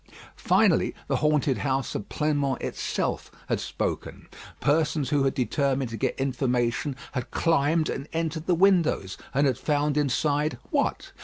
Finally, the haunted house of Pleinmont itself had spoken. Persons who had determined to get information had climbed and entered the windows, and had found inside what?